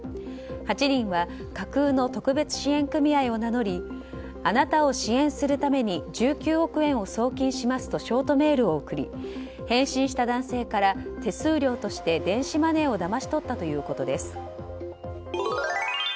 ８人は架空の特別支援組合を名乗りあなたを支援するために１９億円を送金しますとショートメールを送り返信した男性から手数料として電子マネーをだまし取ったということです。